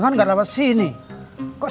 namah ini masih abdullah